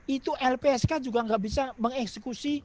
itu lpsk juga nggak bisa mengeksekusi